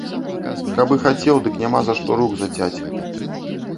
Каб і хацеў, дык няма за што рук зацяць.